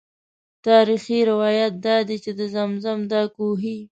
تاریخي روایات دادي چې د زمزم دا کوهی.